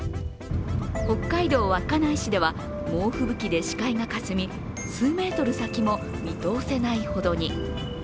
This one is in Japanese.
北海道稚内市では猛吹雪で視界がかすみ数メートル先も見通せないほどに。